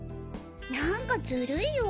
なんかずるいよ。